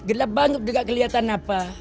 gelap banget udah nggak kelihatan apa